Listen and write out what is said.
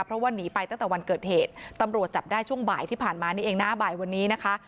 เพราะว่าหนีไปตั้งแต่วันเกิดเหตุตำรวจจับได้ช่วงบ่ายที่ผ่านมานี่เองหน้าบ่ายวันนี้นะคะ